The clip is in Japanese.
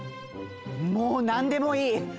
もうなんでもいい！